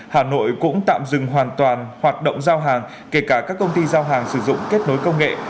hà nội cũng tạm dừng hoàn toàn hoạt động giao hàng kể cả các công ty giao hàng sử dụng kết nối công nghệ